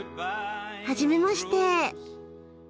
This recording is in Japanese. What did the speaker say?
はじめまして！